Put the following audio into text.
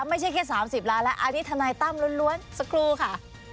ไม่ใช่แค่๓๐ล้านแล้วอันนี้ทนายตั้มล้วนสักครู่ค่ะ